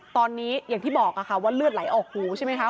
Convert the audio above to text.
ตอนนี้อย่างที่บอกค่ะว่าเลือดไหลออกหูใช่ไหมคะ